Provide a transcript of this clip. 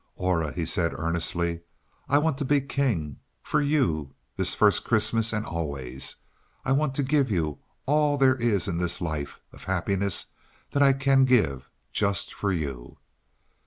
"Aura," he said earnestly. "I want to be King for you this first Christmas and always. I want to give you all there is in this life, of happiness, that I can give just for you."